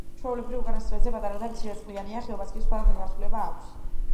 ჩვეულებრივ, უკანასკნელზე პატარა და მცირეწყლიანია, ხეობას კი სხვა მიმართულება აქვს.